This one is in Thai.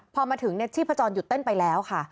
พอมาถึงชีพจรหยุดเต้นไปแล้วค่ะ